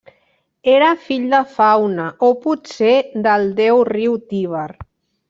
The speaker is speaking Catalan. Era fill de Faune, o potser del déu-riu Tíber.